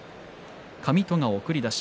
上戸が送り出し。